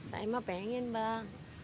saya mah pengen bang